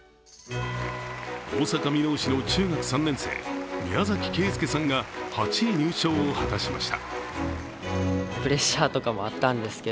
大阪・箕面市の中学３年生宮崎圭介さんが８位入賞を果たしました。